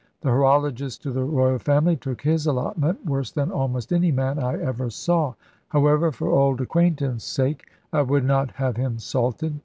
The Horologist to the Royal Family took his allotment worse than almost any man I ever saw; however, for old acquaintance' sake, I would not have him salted.